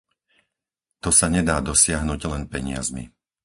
To sa nedá dosiahnuť len peniazmi.